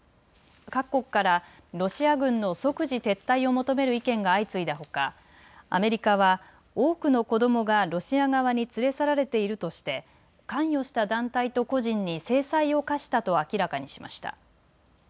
各国からロシア軍の即時撤退を求める意見が相次いだほかアメリカは多くの子どもがロシア側に連れ去られているとして関与した団体と個人に制裁を科したと明らかにしました。